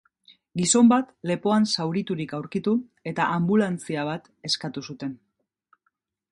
Gizon bat lepoan zauriturik aurkitu eta anbulantzia bat eskatu zuten.